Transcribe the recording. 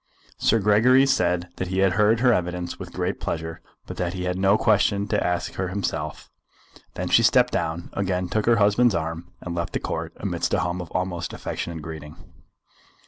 Sir Gregory said that he had heard her evidence with great pleasure, but that he had no question to ask her himself. Then she stepped down, again took her husband's arm, and left the Court amidst a hum of almost affectionate greeting.